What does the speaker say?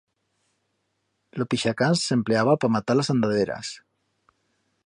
Lo pixacans s'empleaba pa matar las andaderas.